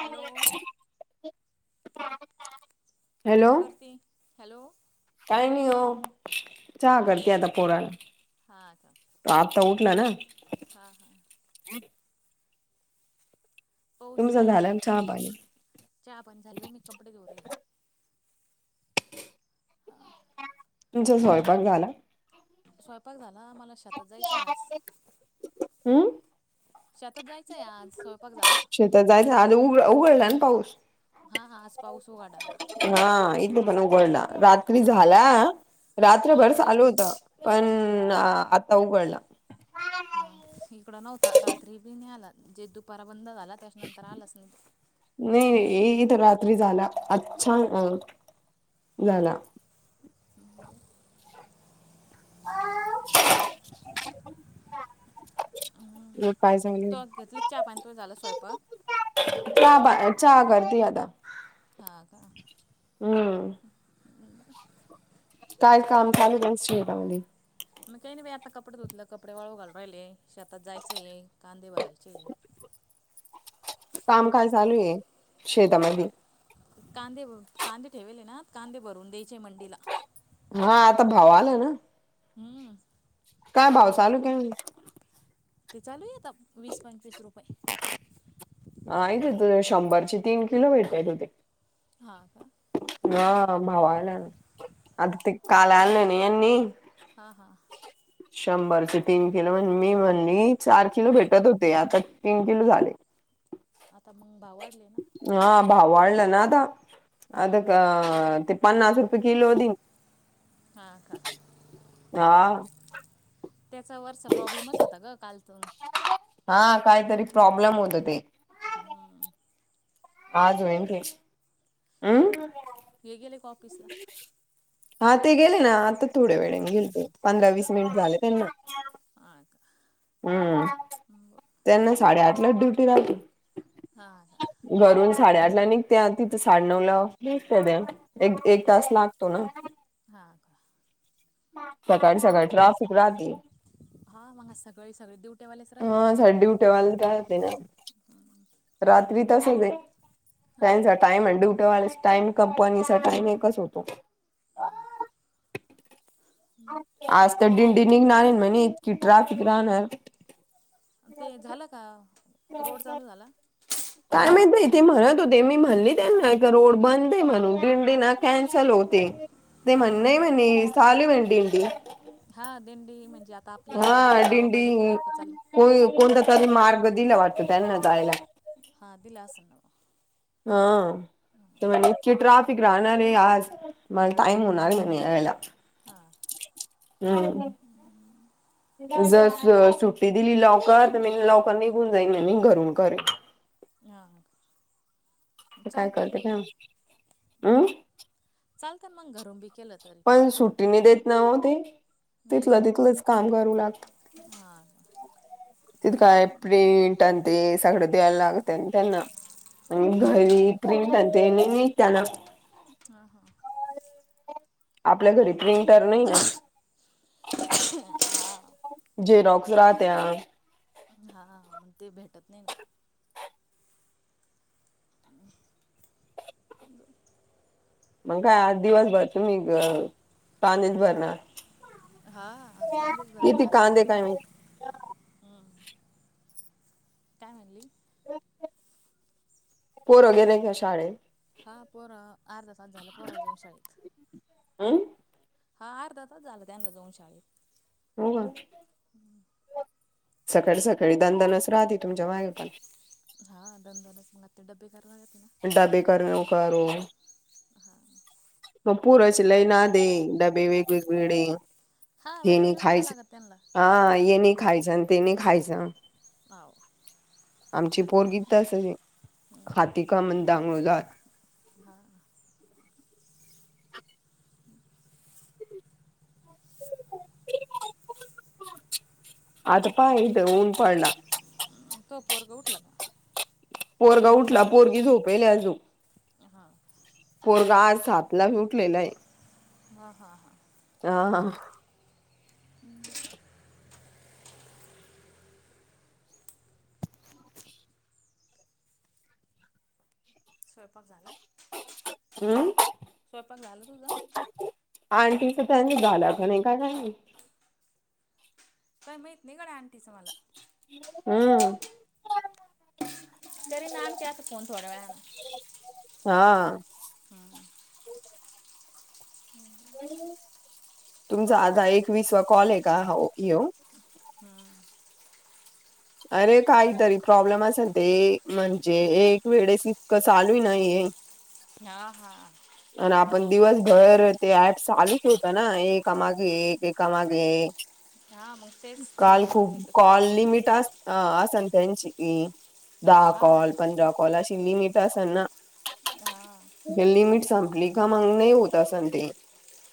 Hello hello काय करती hello काय नाही हो च करत आता पोराने हा च हा हा पाऊस तुमचा झाला का ना चहा पाणी चहा पणी झाली व मी कपडे दोरेल हां तुमचं स्वयंपाक झाला स्वयंपाक झाला मला शातात जायचंय आज हम्म शातात जायचंय आज स्वयंपाक झाला श तर जायच आ उ उघडला ना पाऊस हा हा आज पाऊस उघाडा ना हा इथे पण उघडला रात्री हा झाला रात्रभर रात्री चालू होत पण आता उघडलं हा इकड नव्हता रात्री बी नि आला जे दुपारा बंद झाला त्याच्यानंतर आलाच नाही नाही ये इथ रात्री झाला अज्छान हा ह ल काय झाांगलं तो घेतली का चहा पाणी तो झाला स्वयंपाक? चहा ब चहा करते आता हा का हम्म काय काम चाललटमध्ये मग काही नाही बा आता कपडे धुतलं कपडे वाळू घालू राहिले शेतात जायचंय कांदे भरायचे आहे कामकाज चालू आहे शेतामध्ये कांदे कांदे ठेवेले ना कांदे भरून द्यायचे मंडीला हा आता भाव आला ना काय हम्म भाव बावार चालू काय ते चालू येत वीस पंचवीस रुपये आहे त त शंभरचे तीन किलो भेटय त ते हा का ह भावा आला ना आता ते काल आलं ना यांनी हां हां शंभरचे तीन किलोण मी म्हणली चार किलो भेटत होते आता तीन किलो झाले आता मग भाव वाढले ना हा भा वाढलं ना आता अता का ते पन्नास रुपये किलो दिन हा का हा त्याचा वर्ष प्रॉब्लेमच होता ग कालतून हा काहीतरी प्रॉब्लेम होत ते हम्म आज ए अं हे गेले का ऑफिसला? हा ते गेले ना आता थोड्या वेळेने गेले ते पंधरा वीस मिनिट अहच झाले अ का उअ बरं त्यांना साडेआठलाच ड्युटी राहती हाआ का? घरून साडेआठ ला निघत्या तिथं साडे नऊला दिसत्या त्या एक एक तास लागतो ना हां का? सकाळी सकाळी ट्राफिक राहते हा मग आ सकाळी सकाळी दिवट्यावालेच राहते ना ग [unintelligible] ड्युट्यावाले राहते ना रात्री तसचे हां त्यांचा का टाइम आहे ड्युट्यावाल्याचा टाइम कंपनीचा टाइम एकच होतो. हा. आज तर दिंडी निघणार म्ह इतकी ट्रॅफिक राहणार ते झालं का रोड चालू झाला. कामेत भाई ते म्हणत होते मी म्हणली त्यांना एक रोड बंद आहे म्हणून दिंडी ना. कॅनसल होते ते हां म्हणण हां म्ह सलू म्हनड हा दिंडी म्हणजे आता आपले म्हणजे आपल्या गावाकडले पण लोकं चालले होय ओ कोणता तरी मार्ग दिला वाटतं त्यांना जायला हा दिला अस नाव आंव. तर म्हणी इतकीे ट्राफिक राहणारे आज मला टाइम होणारे म्हणे यायला हां हम्म. [inaudible] जर सु सुट्टी दिली लोवकर तर मी लवकर निघून जाईन म्हणीन घरून करी यां का उ काय चालतंन करते मग काय माहित उम्ह हम्म चालतन मग घरून बी केलं तरी पण सुट्टी नाही देत ना ओ ते नाही का तिथलं तिथलंच काम करू लागता हां तिथं काय प्रिंट त्यानं ते सगळं द्यायला लागतंय त्यांना उन हां घरी क्रीम [unintelligible] त्याना हा हा. आपल्या घरी प्रिंटर नाही ना जेरॉक्स रात्या हा मग ते भेटत नाही ना उओ. मग काय आज दिवस भर तुम्ही ग कांदेच भरणार हा आज कांदेच भरणं ये किती आता कांदे कारण काय की माहित हम्म काय म्हणली [unintelligible] पोरं गेले का शाळेत? हा पोरा अर्धा तास झालं पोराला जाऊन शाळेत उम्म. हा अर्धा तास झालं त्यानला जाऊन शाळेत हो का? सकाळी सकाळी दनदनच राहती तुमच्या मागे पण हा दनदनच पुन्हा ते डब्बे करा लागते ना डबे कररमेव कर हा [inaudible] मग पुूरची लय ना दे डबे वेगवेगळे हा हे नाही वेगवेगळेच खायच द्यायला लागत त्यांना हा ये नाही खायच ते नाही खायच हाव आमची पोरगी त अस हातिका म्हण दांगळू जात हां अ प इथ ऊन पाडला तोपोरग उटठ लाग पोरगा उठला पोरगी झोपेल आजू हा पोरग आज सातला फ उठलेला आहे हा हा हा ह हम् स्वयपाक झाला? उम्म. स्वयपाक झाला तुझा? आंटी तर त्यांनी झाला का नाही काय माहिती काय माहित नाही गड्या आंटीचं मला हम् तरी नाम त्यात फोन थोड्या वेळा ना हा हम् हम्म तुमचा आधा एकवीस वा कॉल आहे का ये हम अरे काहीतरी प्रॉब्लेम अस ना ते म्हणजे एक वेळेस इकं चालू नाहीय हा हा आणि आपण दिवसभर ते ऍप चालूच होत ना एकामागे एक एकामागे एक हा मग तेच ते काल एक खूप एक चालू कॉल होतं लिमिट अस असणं त्यांची दहा हा कॉल पंधरा कॉल कॉल अशी लिमिट असेल ना हा लिमिट संपली का मग नाही होत अस ते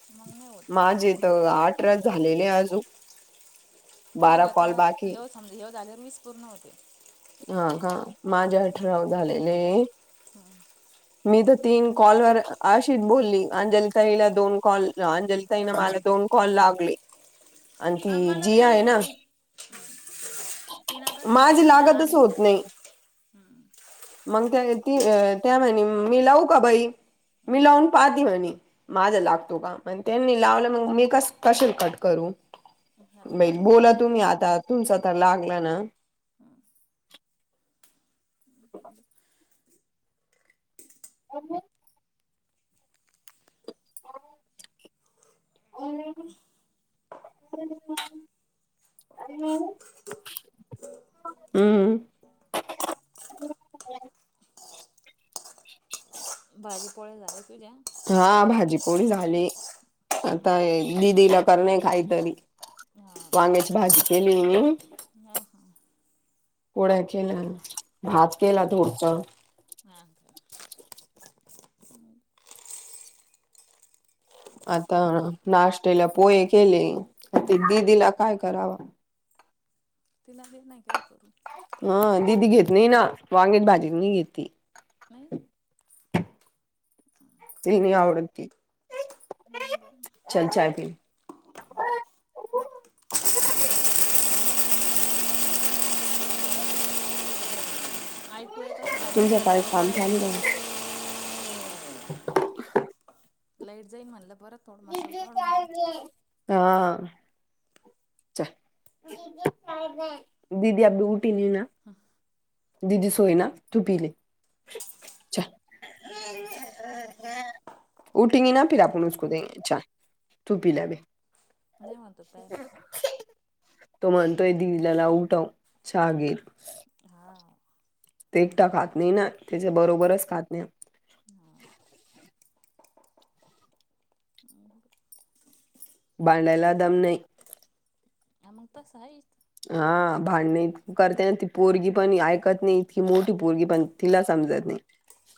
मग नाही होत ते माझे आठ रात झालेले अजून बारा कॉल बाकी समजे येव दजर वीस पूर्ण होते हा का माझ्या अ ठराव झालेले मी तर तीन कॉलवरर अशीच बोलली अंजलिताईला दोन कॉल अंजलिताई मला दोन कॉल लागले आणि हा ती मला मी जीया आहे अंजल ना ते तिनं तसंच माझ केलं मा लागतच आणि होत नाही मग त्या ती त्या म्हहि मी लाव का बाई मी लावून पाहते म्हणे माझा लागतो काम आणि त्यांनी लावलं मग मी कस कसे कट करू हा ई कट होत बोला नाही ना ते तुम्ही आता तुमचा तर लागला ना हो हो हम्म ह् भाजी पोळ्या झाल्या तुझ्या हा भाजीपोळी झाली आता हा दिदीला कर नाही काहीतरी हा वांग्याची भाजी केली मी हा हा पोळ्या केल्या भात केला थोडस. हा. आता नाश्टेला पोहे केले ते दिदीला काय कराव? तिला दे नाही काही करू. हा दिदी घेत नाही ना वांगची भाजी नाही ती नाही ती नाही आवडती बर चल चाय पी. अ [inaudible] ऐकू येत तुमचं काय काम चालू आहे असणार [unintelligible] [inaudible] लाईट जाईल म्हणलं परत. थोडं मसाल काढून घ्या हा चाय दीदी अभी उठेगी ना हम [inaudible] दिदी सोयीना तू पीले चाय. उठेंगी ना फिर आपण उसको देंगे चाय तू पीले अभी नाही म्हणतो प्यायला. तो मणतोय दिदी ला उठव चहा घे. हा ते एकटा खात नाही ना त्याच्या बरोबरच खातेय हा भांडायला दम नाही. मग तस आहे हा भांडणी करतेना ती पोरगी पण ऐकत नाही इतकी मोठी पोरगी पण तिला समजत नाही.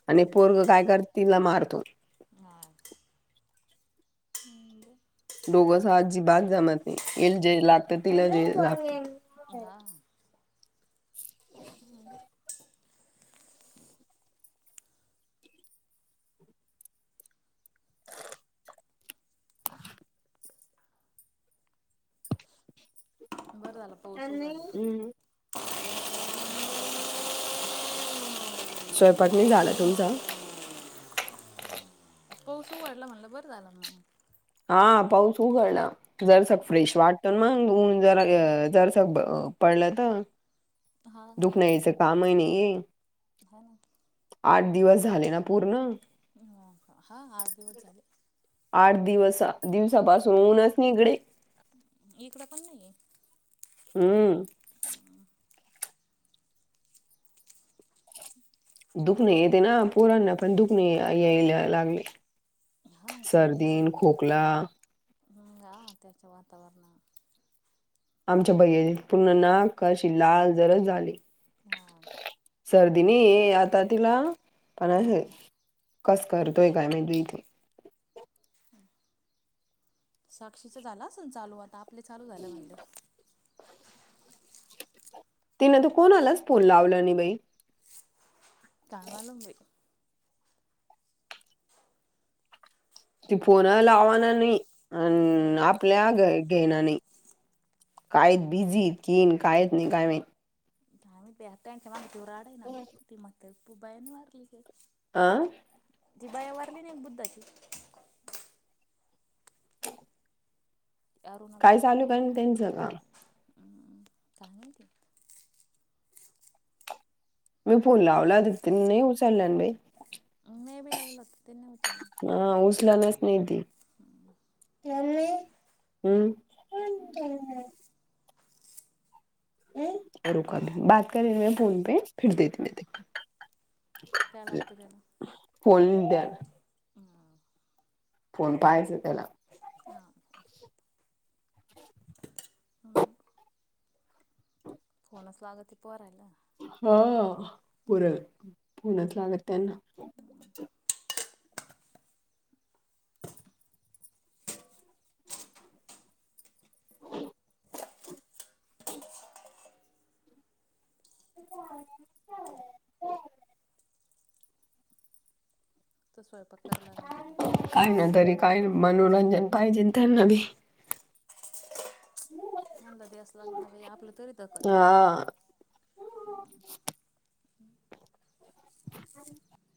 आणि हा पोरग काय करती तिला मारतो. हा हम् ब [unintelligible] [inaudible] दोघंस अजिबात जमत नाही हिल जे लागत तिला ते लागत. हा आणि [unintelligible] बरं झालं. त्यांनी हमम स्वयंपाक नाही झाला तुमचा? पाऊस उघडला म्हणलं बरं झालं मग हा पाऊस उघडला. जर स फ्रेश वाटत मग ऊन जरा जर स पडलं तर. हा दुख नाहीयचे कामही नाही ये हा ना. आठ दिवस झाले ना पूर्ण? ह हा आठ दिवस झाले. आठ दिवस दिवसापासून ऊनच नि इकडे. इकड पण नाहीये. हम्म दुख नाही येते ना पोरांना पण दुखणे यायला लागले. आहे हा सर्दीन खोखला. हंगा त्याच्या वातावरणात. आमच्या भैयाची पूर्ण नाक अशी लाल जरद झाली. हा. सर्दीनीये आता तिला पण अस हम्म कस करतोय काय मी ईथ साक्षीच झालं असन चालू आता आपले चालू झालं म्हणलेव. तिने तर कोणालाच फोन लावला नाही बाई काय मालूम बाई ती फोन लावाना नाही अन आपल्या घ घेणा नाही कायत बिझी इतकिन काय येत नाय काय माहीत आम् तेहताच्या मा दूराड आहे नाग ती मग तेप बायान मारली का आं ती बाया वारली ना एक बुद्धाची त अरुणा बाई काय चालू काय त्यांचं का काय माहिती मी फोन लावला त त नाही उचलल्यान बाई मे बी लावलं हो त्यां उच्याला [unintelligible] हा उसला न स् नाहीधदी हम्म हम् [unintelligible] रुका बाात करे म फोन पे फिर देेत म ते काय लागतं त्याला [unintelligible] [unintelligible] [inaudible] ह फोन पाहायचं त्याला ह हम्म, [unintelligible] हा पुर पुण्यातच लागत त्यांना हो क [unintelligible] त स्वयंपाक कर लाग ना तुला काही ना तरी काय मनोरंजन पाहिजे त्याना बी यंदा दिवस लागणार आपलं तरी करती का तो हा